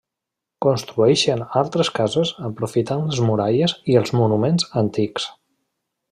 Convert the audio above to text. Construeixen altes cases aprofitant les muralles i els monuments antics.